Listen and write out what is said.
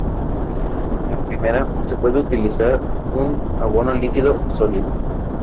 En primavera, se puede utilizar un abono líquido o sólido.